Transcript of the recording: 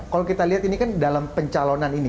kalau kita lihat ini kan dalam pencalonan ini